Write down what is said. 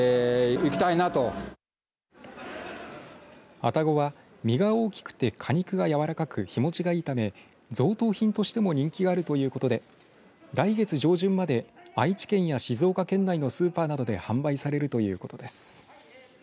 愛宕は実が大きくて果肉がやわらかく日持ちがいいため贈答品としても人気があるということで来月上旬まで愛知県や静岡県内のスーパーなどで販売されるということです。